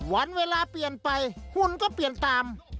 วันเวลาเปลี่ยนไปหุ่นก็เปลี่ยนตาม